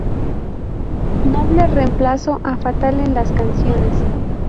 Noble reemplazo a Fatal en las canciones.